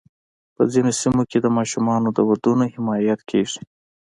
په ځینو سیمو کې د ماشومانو د ودونو حمایت کېږي.